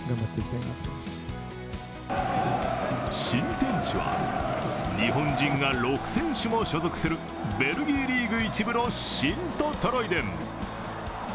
新天地は、日本人が６選手も所属するベルギーリーグ１部のシントトロイデン。